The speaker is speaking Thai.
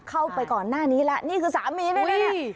เข้าไปก่อนหน้านี้แล้วนี่คือสามีหนูเนี่ย